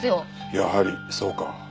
やはりそうか。